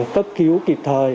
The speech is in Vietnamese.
cấp cứu kịp thời